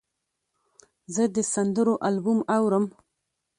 زه د سندرو البوم اورم.